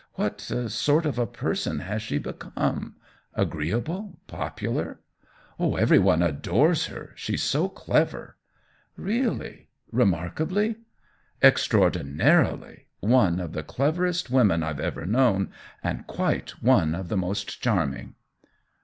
"What sort of a person has she become — agreeable, popular ?"" Every one adores her — she's so clever." " Really — remarkably ?!'" Extraordinarily — one of the cleverest THE WHEEL OF TIME 55 women IVe ever known, and quite one of the most charming."